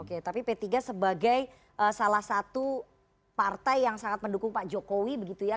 oke tapi p tiga sebagai salah satu partai yang sangat mendukung pak jokowi begitu ya